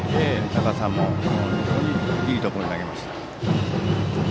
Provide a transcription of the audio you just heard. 高さも非常にいいところに投げました。